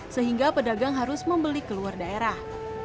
sehingga pedagang harus membeli ke luar daerah